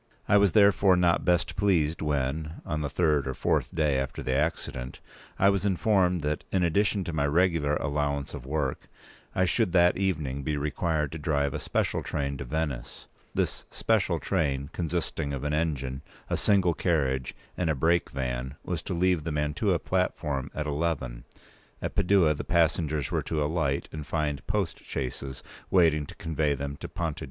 I was therefore not best pleased when, on the third or fourth day after the accident, I was informed that, in addition to my regular allowance of work, I should that evening be required to drive a special train to Venice. This special train, consisting of an engine, a single carriage, and a break van, was to leave the Mantua platform at eleven; at Padua the passengers were to alight and find post chaises waiting to convey them to Ponte p.